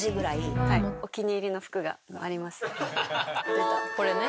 出たこれね。